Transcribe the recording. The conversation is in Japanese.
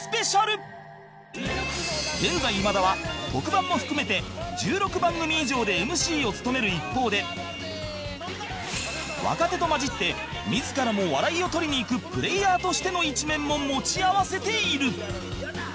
現在今田は特番も含めて１６番組以上で ＭＣ を務める一方で若手と交じって自らも笑いを取りにいくプレイヤーとしての一面も持ち合わせている